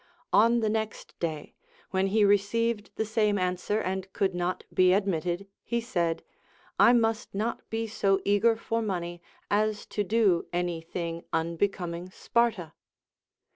On the next day, when he received the same answer and could not be admitted, he said, 1 must not be so eager for money as to do any thing unbecoming Sparta.